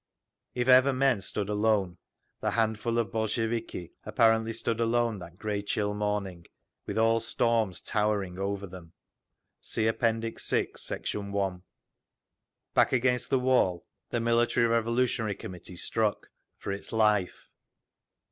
If ever men stood alone the "handful of Bolsheviki" apparently stood alone that grey chill morning, with all storms towering over them. (See App. VI, Sect. 1) Back against the wall, the Military Revolutionary Committee struck—for its life.